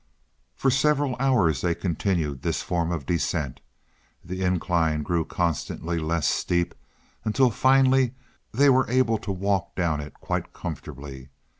For several hours they continued this form of descent. The incline grew constantly less steep, until finally they were able to walk down it quite comfortably.